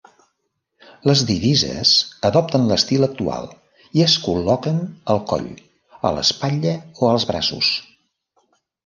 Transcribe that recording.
Les divises adopten l'estil actual, i es col·loquen al coll, a l'espatlla o als braços.